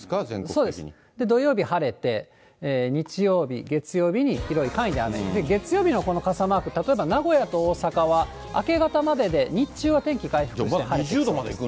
そうです、土曜日晴れて、日曜日、月曜日に広い範囲で雨、月曜日のこの傘マーク、例えば名古屋と大阪は明け方までで、日中は天気回復して晴れてきます。